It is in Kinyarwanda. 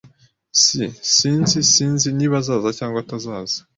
S Sinzi Sinzi niba azaza cyangwa atazaza.